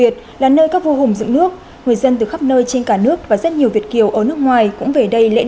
thì mình phải luôn luôn giúp đỡ